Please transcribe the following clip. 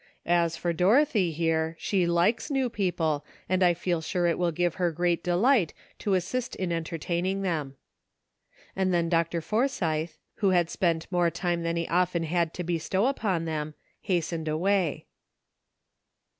As for Dorothy, here, she likes new people, and I feel sure it will give her great delight to assist in entertain ing them." And then Dr. Forsythe, who had spent more time than he often had to bestow upon them, hastened away.